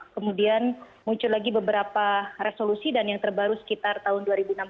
kemudian muncul lagi beberapa resolusi dan yang terbaru sekitar tahun dua ribu enam belas